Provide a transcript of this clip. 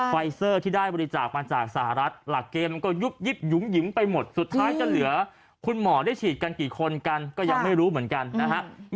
ไฟเซอร์ที่ได้บริจาคมาจากสหรัฐหลักเกณฑ์มันก็ยุบยิบหยุมหิมไปหมดสุดท้ายจะเหลือคุณหมอได้ฉีดกันกี่คนกันก็ยังไม่รู้เหมือนกันนะฮะ